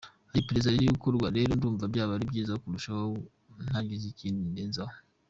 Hari iperereza riri gukorwa, rero ndumva byaba byiza kurushaho ntagize ikindi ndenzaho".